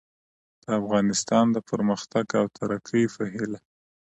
د افغانستان د پرمختګ او ترقي په هیله